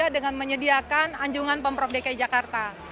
dengan menyediakan anjungan pemprov dki jakarta